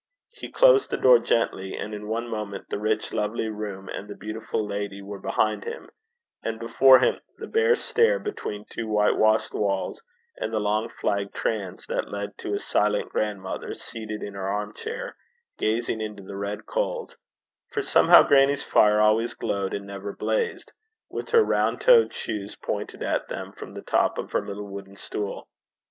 He closed the door gently; and in one moment the rich lovely room and the beautiful lady were behind him, and before him the bare stair between two white washed walls, and the long flagged transe that led to his silent grandmother seated in her arm chair, gazing into the red coals for somehow grannie's fire always glowed, and never blazed with her round toed shoes pointed at them from the top of her little wooden stool.